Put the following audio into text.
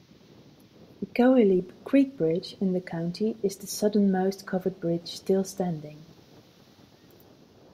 The Cohelee Creek Bridge in the county is the southernmost covered bridge still standing.